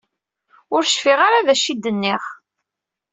Ur cfiɣ ara d acu i d-nniɣ.